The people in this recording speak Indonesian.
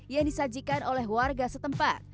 yang disajikan oleh warga setempat